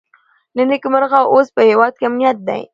له نېکمرغه اوس په هېواد کې امنیت دی.